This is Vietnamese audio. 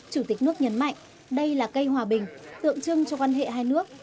chủ tịch nước nhấn mạnh đây là cây hòa bình tượng trưng cho quan hệ hai nước